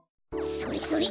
それそれ！